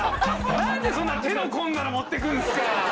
何でそんな手の込んだの持ってくんすか！